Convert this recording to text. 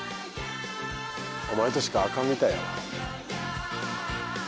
お前としかアカンみたいやわ。